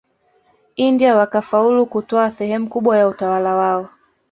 India wakafaulu kutwaa sehemu kubwa ya utawala wao